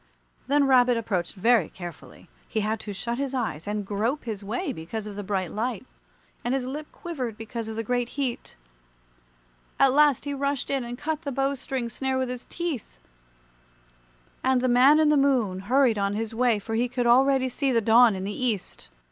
Then Rabbit approached very carefully. He had to shut his eyes and grope his way because of the bright light, and his lip quivered because of the great heat. At last he rushed in and cut the bow string snare with his teeth, and the Man in the Moon hurried on his way, for he could already see the dawn in the East.